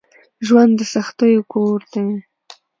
ژوند دسختیو کور دی